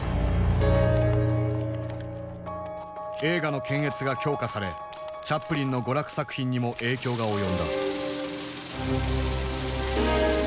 映画の検閲が強化されチャップリンの娯楽作品にも影響が及んだ。